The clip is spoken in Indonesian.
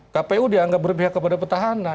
kpu dianggap berpihak kepada petahana